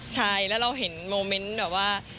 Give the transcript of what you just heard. ใช่แล้วเราเห็นโมเมนต์แบบว่า